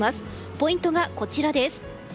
ポイントがこちらです。